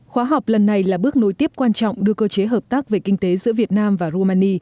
khóa học lần này là bước nối tiếp quan trọng đưa cơ chế hợp tác về kinh tế giữa việt nam và rumani